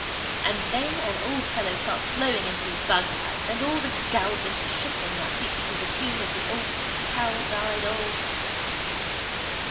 And then an old fellow starts blowing into his bagpipes and all the gougers shuffling their feet to the tune the old cow died of.